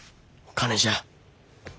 金じゃ。